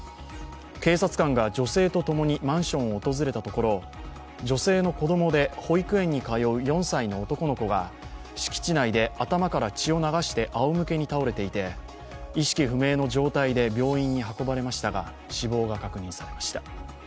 警察官が女性と共にマンションを訪れたところ女性の子供で保育園に通う４歳の男の子が敷地内で頭から血を流してあおむけに倒れていて意識不明の状態で病院に運ばれましたが死亡が確認されました。